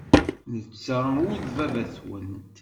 Netta ur d baba-twent.